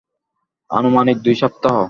আনুমানিক দুই সপ্তাহ।